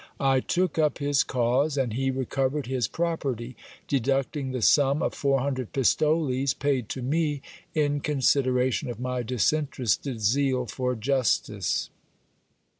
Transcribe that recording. I took up his cause, and he re covered his property, deducting the sum of four hundred pistoles, paid to me in consideration of my disinterested zeal for justice.